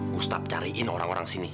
gustap cariin orang orang sini